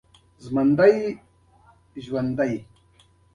جسمونه په کومو حالتونو کې تودوخه انتقالوي؟